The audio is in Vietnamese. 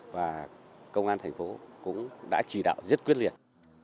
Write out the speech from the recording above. và công an thành phố cũng đã chỉ đạo rất quyết liệt